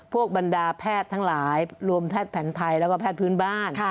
บรรดาแพทย์ทั้งหลายรวมแพทย์แผนไทยแล้วก็แพทย์พื้นบ้าน